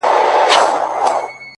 سوخ خوان سترگو كي بيده ښكاري’